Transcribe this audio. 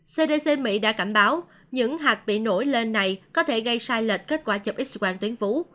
cdc mỹ đã cảnh báo những hạt bị nổi lên này có thể gây sai lệch kết quả chụp x quang tuyến phố